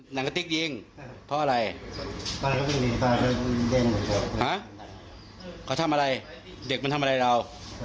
หนังกะติ๊กยิงเพราะอะไรฮะเขาทำอะไรเด็กมันทำอะไรเรา